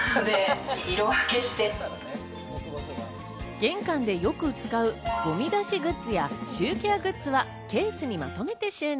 玄関でよく使うごみ出しグッズやシューケアグッズは、ケースにまとめて収納。